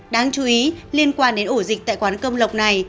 đáng chú ý liên quan đến ổ dịch tại quán cơm lộc này